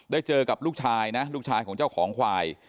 เจอกับลูกชายนะลูกชายของเจ้าของควาย